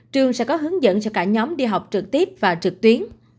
trường sẽ có hướng dẫn cho cả nhóm đi học trực tiếp và trực tuyến